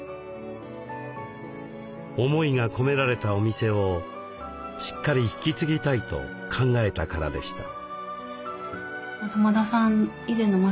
思いが込められたお店をしっかり引き継ぎたいと考えたからでした。